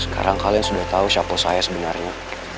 sekarang kalian sudah tau siapa saya sebenernya